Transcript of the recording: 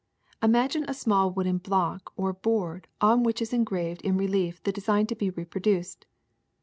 Imagine a small wooden block or board on which is engraved in relief the design to be reproduced.